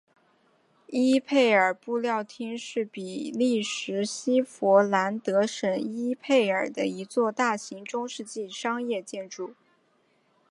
伊佩尔布料厅是比利时西佛兰德省伊佩尔的一座大型中世纪商业建筑。